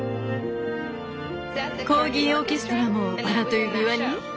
コーギーオーケストラも「バラと指輪」に？